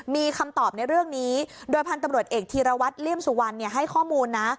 มีคำตอบในเรื่องนี้โดยพันธุ์ตำรวจเอกธีรวัตรเลี่ยมสุวรรณให้ข้อมูลนะ